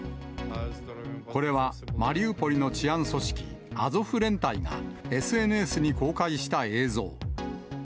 これは、マリウポリの治安組織、アゾフ連隊が、ＳＮＳに公開した映像。